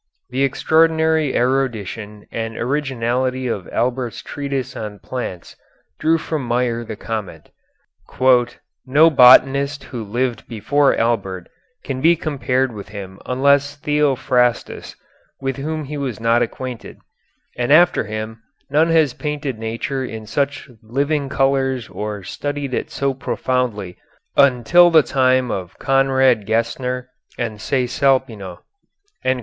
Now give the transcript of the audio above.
The extraordinary erudition and originality of Albert's treatise on plants drew from Meyer the comment: No botanist who lived before Albert can be compared with him unless Theophrastus, with whom he was not acquainted; and after him none has painted nature in such living colors or studied it so profoundly until the time of Conrad Gessner and Cæsalpino.